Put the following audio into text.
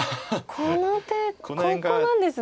この手ここなんですね。